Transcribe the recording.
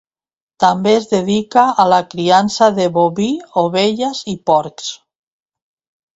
També es dedicà a la criança de boví, ovelles i porcs.